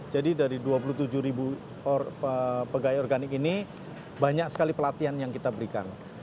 jadi dari dua puluh tujuh ribu pegawai organik ini banyak sekali pelatihan yang kita berikan